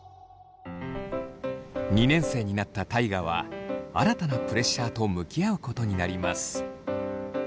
２年生になった大我は新たなプレッシャーと向き合うことになります。